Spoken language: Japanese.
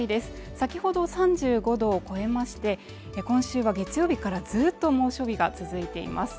先ほど３５度を超えまして今週は月曜日からずっと猛暑日が続いています